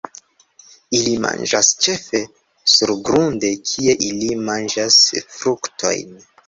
Ili manĝas ĉefe surgrunde, kie ili manĝas fruktojn.